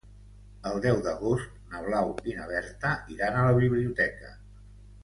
El deu d'agost na Blau i na Berta iran a la biblioteca.